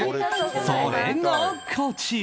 それがこちら。